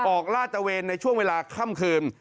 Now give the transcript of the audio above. ออกราชเตอร์เวนในช่วงเวลาค่ำคืน